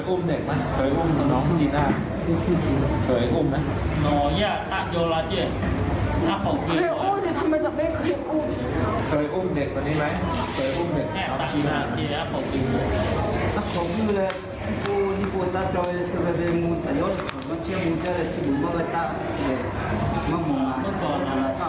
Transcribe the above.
อุ้มเด็กมั้ยอุ้มของน้องจีน่าอุ้มเหลือ